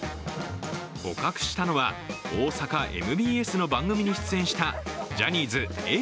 捕獲したのは大阪ＭＢＳの番組に出演したジャニーズ、Ａぇ！